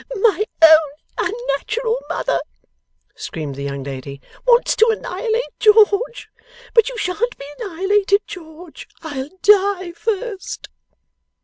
'My own unnatural mother,' screamed the young lady, 'wants to annihilate George! But you shan't be annihilated, George. I'll die first!